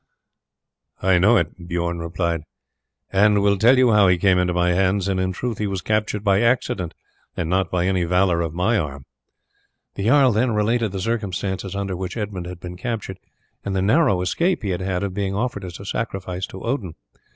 "I know it," Bijorn replied, "and will tell you how he came into my hands, and in truth he was captured by accident and not by any valour of my arm." The jarl then related the circumstances under which Edmund had been captured, and the narrow escape he had had of being offered as a sacrifice to Odin.